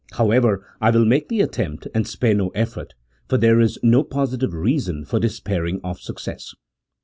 However, I will make the attempt, and spare no efforts, for there is no positive reason for despairing of success.